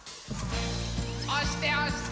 おしておして！